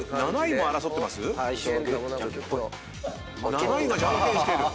７位がじゃんけんしている。